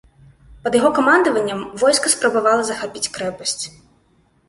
Пад яго камандаваннем войска спрабавала захапіць крэпасць.